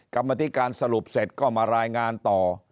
กรรมธิการสรุปเสร็จก็มารายงานต่อ